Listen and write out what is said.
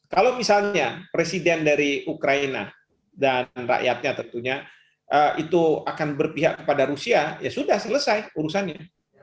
kalau misalnya presiden dari ukraina dan rakyatnya tentunya itu akan berpihak kepada rusia ya sudah selesai urusannya